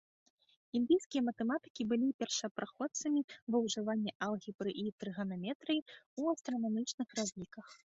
Індыйскія матэматыкі былі першапраходцамі ва ўжыванні алгебры і трыганаметрыі ў астранамічных разліках.